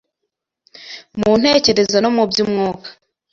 mu ntekerezo no mu by’umwuka